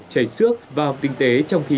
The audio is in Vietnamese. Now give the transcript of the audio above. cháy xước và học tinh tế trong khi